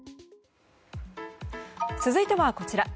続いては、こちら。